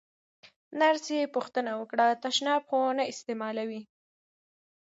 نرسې پوښتنه وکړه: تشناب خو نه استعمالوې؟